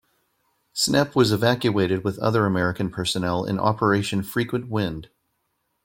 Snepp was evacuated with other American personnel in Operation Frequent Wind.